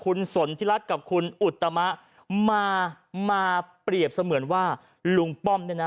คุณสนทิรัฐกับคุณอุตมะมามาเปรียบเสมือนว่าลุงป้อมเนี่ยนะ